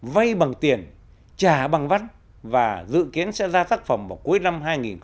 vay bằng tiền trả bằng vắt và dự kiến sẽ ra tác phẩm vào cuối năm hai nghìn một mươi sáu